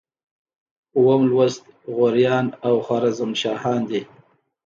اووم لوست غوریان او خوارزم شاهان دي.